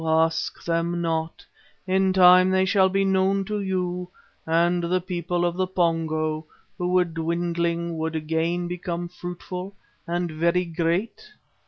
ask them not, in time they shall be known to you, and the people of the Pongo who were dwindling would again become fruitful and very great?